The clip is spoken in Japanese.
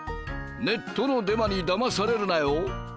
ネットのデマにだまされるなよ。